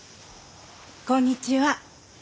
こんにちは。